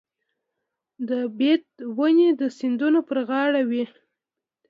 د بید ونې د سیندونو په غاړه وي.